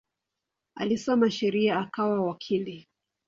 Alisoma sheria akawa wakili.